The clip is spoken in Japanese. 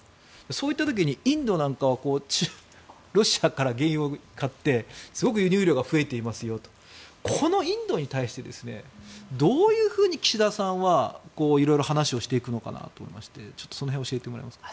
そういった時にインドなんかはロシアから原油を買ってすごく輸入量が増えていますよとこのインドに対してどういうふうに岸田さんはいろいろ話をしていくのかなと思いましてその辺、教えてもらえますか。